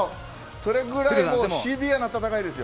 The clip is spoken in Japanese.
それぐらいシビアな戦いですよ。